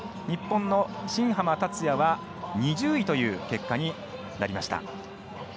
日本の新濱立也は２０位という結果になりました。